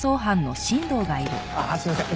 ああすいません。